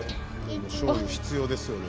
でもしょうゆ必要ですよね。